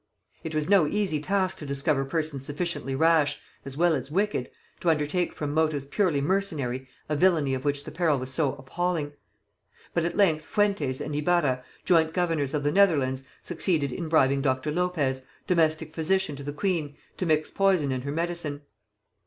It was no easy task to discover persons sufficiently rash, as well as wicked, to undertake from motives purely mercenary a villany of which the peril was so appalling; but at length Fuentes and Ibarra, joint governors of the Netherlands, succeeded in bribing Dr. Lopez, domestic physician to the queen, to mix poison in her medicine.